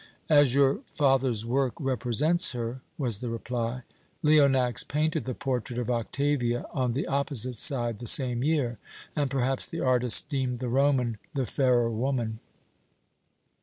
"As your father's work represents her," was the reply. "Leonax painted the portrait of Octavia, on the opposite side, the same year, and perhaps the artist deemed the Roman the fairer woman."